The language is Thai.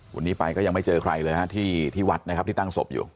วันนี้ไปก็ยังไม่เจอใครเลยฮะที่วัดนะครับที่ตั้งศพอยู่